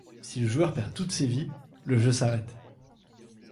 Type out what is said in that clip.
Si le joueur perd toutes ses vies, le jeu s'arrête.